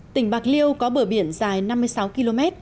tỉnh bạc liêu có bờ biển dài năm mươi sáu km